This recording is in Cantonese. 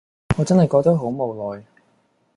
我真係覺得好無奈